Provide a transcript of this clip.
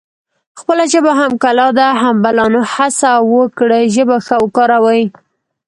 خپله ژبه هم کلا ده هم بلا نو هسه وکړی ژبه ښه وکاروي